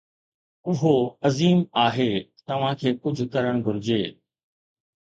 اهو عظيم آهي، توهان کي ڪجهه ڪرڻ گهرجي